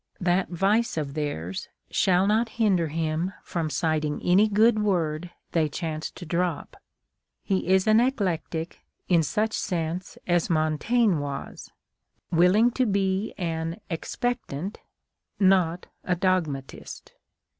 That vice of theirs shall not hinder him from citing any good word they chance to drop. He is an eclectic in su.h sense as Montaigne was, — willing to be an expectant, not a dogmatist.